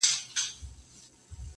یوه قلا ده ورته یادي افسانې دي ډیري!!